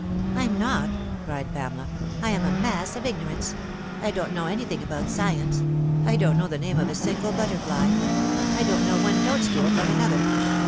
" I'm not," cried Pamela. " I am a mass of ignorance. I don't know anything about science. I don't know the name of a single butterfly. I don't know one toadstool from another.